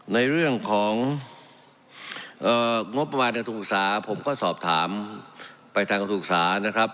ในเรื่องของงบประมาณรัฐศึกษาผมสอบถามไปทางรัฐศึกษานะครับ